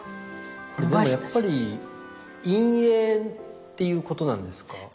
これでもやっぱり陰影っていうことなんですか？